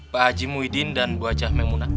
pak haji muhyiddin dan bu haji ahmed munah